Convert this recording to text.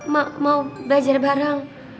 mau belajar bareng